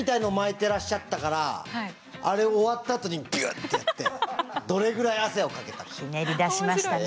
てらっしゃったからあれ終わったあとにビュッてやってどれぐらい汗をかけたか。